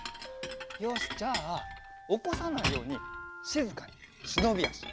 よしじゃあおこさないようにしずかにしのびあし。